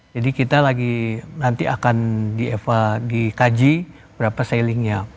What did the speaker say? jadi kita lagi nanti akan dikaji berapa sellingnya